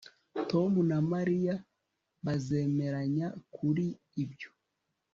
Tom na Mariya bazemeranya kuri ibyo